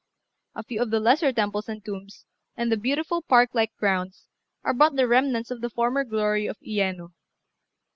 A few of the lesser temples and tombs, and the beautiful park like grounds, are but the remnants of the former glory of Uyéno.